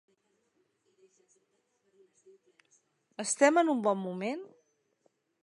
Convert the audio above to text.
Estem en un bon moment?